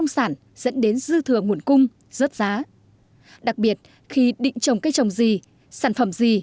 xin chào bộ trưởng